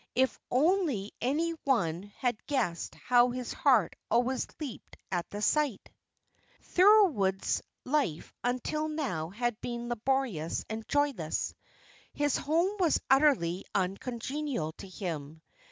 If only any one had guessed how his heart always leaped at the sight! Thorold's life until now had been laborious and joyless. His home was utterly uncongenial to him.